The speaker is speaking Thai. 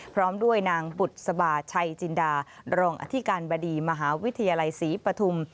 พร้อมด้วยนางบุษบาชัยจินดารองอธิการบดีมหาวิทยาลัยศรีปฐุม